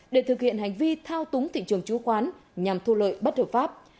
để thực hiện hành vi thao túng thị trường chứng khoán nhằm thu lợi bất hợp pháp